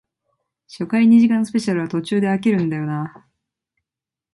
初回二時間スペシャルは途中で飽きるんだよなあ